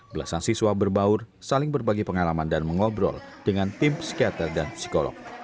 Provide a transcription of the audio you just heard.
belasan siswa berbaur saling berbagi pengalaman dan mengobrol dengan tim psikiater dan psikolog